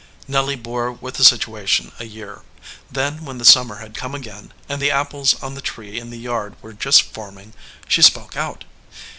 Nelly bore with the situation a year ; then when the summer had come again, and the apples on the tree in the yard were just forming, she spoke out.